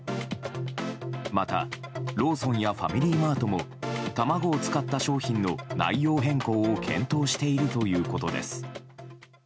また、ローソンやファミリーマートも卵を使った商品の内容変更を検討しているということです。